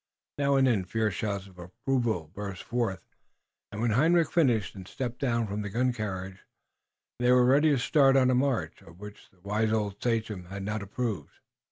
Now and then fierce shouts of approval burst forth, and when Hendrik finished and stepped down from the gun carriage, they were ready to start on a march, of which the wise old sachem had not approved.